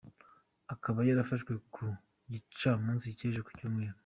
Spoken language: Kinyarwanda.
Akaba yarafashwe ku gicamunsi cy’ejo ku Cyumweru.